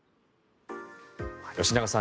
吉永さん